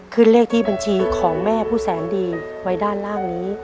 เลขที่บัญชีของแม่ผู้แสนดีไว้ด้านล่างนี้